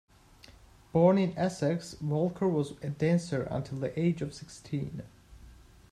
Born in Essex, Walker was a dancer until the age of sixteen.